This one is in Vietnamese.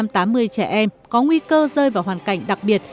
bốn mươi bốn bảy trăm tám mươi trẻ em có nguy cơ rơi vào hoàn cảnh đặc biệt